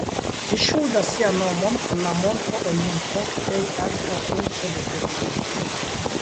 Ĝi ŝuldas sian nomon al la Monto Olimpo, plej alta punkto de Grekio.